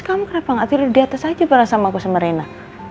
kamu kenapa gak tidur di atas aja bareng sama aku semerena